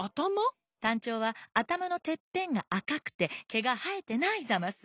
タンチョウはあたまのてっぺんがあかくてけがはえてないざます。